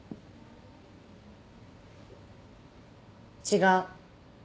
違う